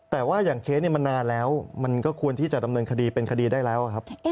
แต่ว่าอย่างเคสนี้มันนานแล้วมันก็ควรที่จะดำเนินคดีเป็นคดีได้แล้วครับ